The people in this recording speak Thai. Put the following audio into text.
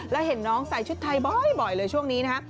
แล้วเห็นน้องใส่ชุดไทยบ่อยเลยช่วงนี้นะฮะ